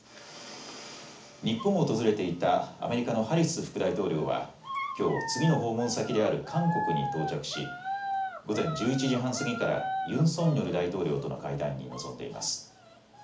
日本を訪れていたアメリカのハリス副大統領はきょう次の訪問先である韓国に到着し午前１１時半過ぎからユン・ソンニョル大統領との会談に臨んでいます。